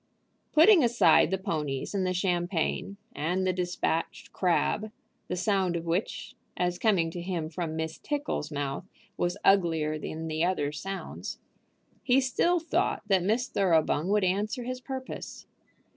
Putting aside the ponies and the champagne, and the despatched crab, the sound of which, as coming to him from Miss Tickle's mouth, was uglier than the other sounds, he still thought that Miss Thoroughbung would answer his purpose.